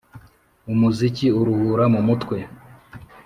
Umuziki uruhura mumutwe